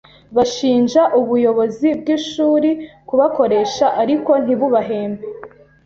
bashinja ubuyobozi bw’ishuri kubakoresha ariko ntibubahembe